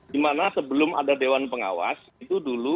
di mana sebelum ada dewan pengawas itu dulu